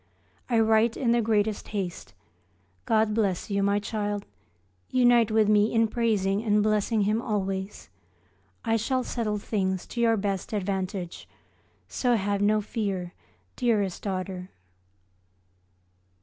I write in the greatest haste. God bless you, my child. Unite with me in praising and blessing Him always. I shall settle things to your best advantage, so have no fear, dearest daughter.